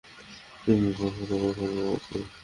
তুমি তারপরেও এখানে থাকবে অবশ্য।